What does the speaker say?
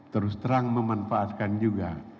terus terang memanfaatkan juga